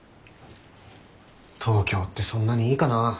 東京ってそんなにいいかなぁ。